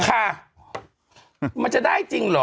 ค่ะมันจะได้จริงเหรอ